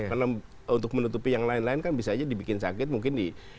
karena untuk menutupi yang lain lain kan bisa aja dibikin sakit mungkin